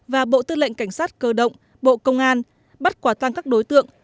và bộ tư lệnh cảnh sát cơ động bộ công an bắt quả tang các đối tượng